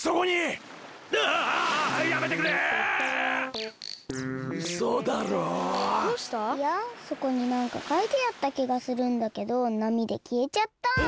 いやそこになんかかいてあったきがするんだけどなみできえちゃった。